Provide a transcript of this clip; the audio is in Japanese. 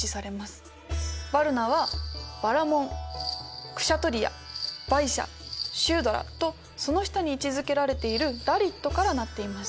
ヴァルナはバラモンクシャトリヤヴァイシャシュードラとその下に位置づけられているダリットから成っています。